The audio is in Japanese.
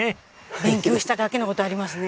勉強しただけの事はありますね。